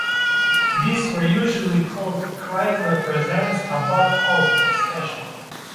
These were usually called "Chrysler Presents a Bob Hope Special".